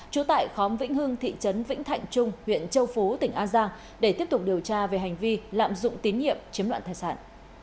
trú tại khóm vĩnh hưng thị trấn vĩnh thạnh trung huyện châu phú tỉnh an giang để tiếp tục điều tra về hành vi lạm dụng tín nhiệm chiếm loạn thai sản